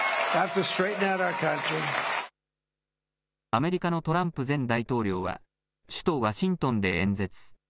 アメリカのトランプ前大統領は、首都ワシントンで演説。